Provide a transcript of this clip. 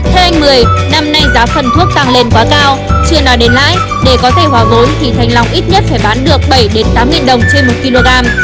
theo anh một mươi năm nay giá phân thuốc tăng lên quá cao chưa nói đến lãi để có thể hòa vốn thì thanh long ít nhất phải bán được bảy tám đồng trên một kg